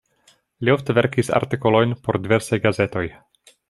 Li ofte verkis artikolojn por diversaj gazetoj.